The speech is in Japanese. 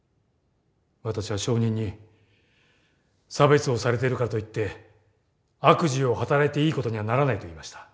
私は証人に「差別をされているからといって悪事を働いていいことにはならない」と言いました。